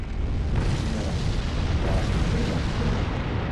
Jā, tā tik bija naksniņa!